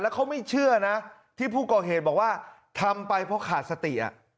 เขาไม่เชื่อนะที่ผู้ก่อเหตุบอกว่าทำไปเพราะขาดสติ